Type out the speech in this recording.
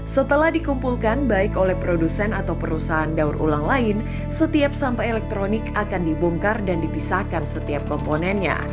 setelah dikumpulkan baik oleh produsen atau perusahaan daur ulang lain setiap sampah elektronik akan dibongkar dan dipisahkan setiap komponennya